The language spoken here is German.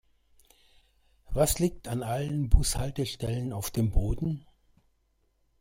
Was liegt an allen Bushaltestellen auf dem Boden?